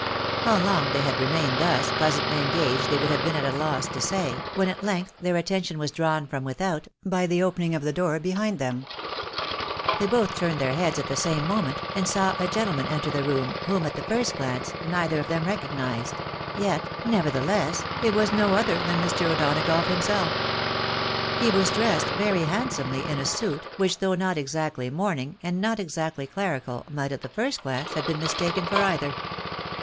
How long they had remained thus pleasantly engaged they would have been at a loss to say, when at length their attention was drawn from without, by opening of the door behind them. They both turned their heads at the same moment, and saw a gentleman enter the room, whom, at the first glance, neither of them recognised — ^yet, nevertheless, it was no other than Mr. O'Donagough himself. He was dressed very handsomely in a suit, wMch, though not exactly mourning, and not exactly clerical, might, at the first glance, have been mistaken for either.